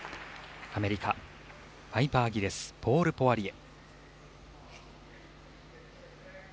アメリカ、パイパー・ギレスポール・ポワリエ。